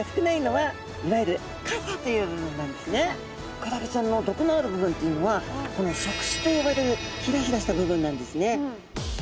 クラゲちゃんの毒のある部分というのはこの触手と呼ばれるヒラヒラした部分なんですね。